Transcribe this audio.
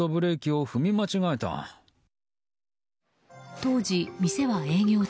当時、店は営業中。